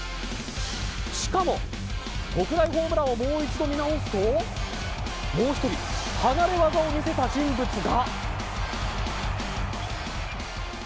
しかも特大ホームランをもう一度見直すともう１人離れ業を見せた人物が。